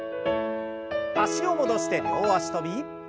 脚を戻して両脚跳び。